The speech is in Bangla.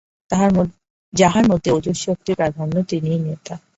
যাঁহার মধ্যে ওজঃশক্তির প্রাধান্য, তিনিই নেতা।